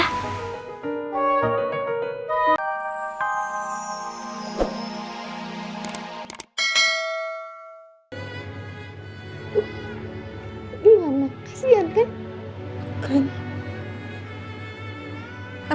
mama kasihan kan